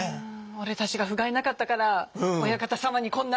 俺たちがふがいなかったから親方様にこんな。